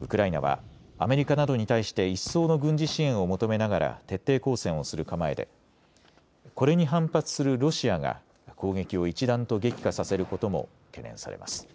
ウクライナはアメリカなどに対して一層の軍事支援を求めながら徹底抗戦をする構えでこれに反発するロシアが攻撃を一段と激化させることも懸念されます。